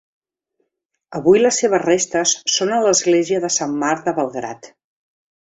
Avui les seves restes són a l'església de Sant Marc de Belgrad.